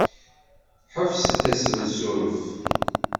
Ḥebset assensuref.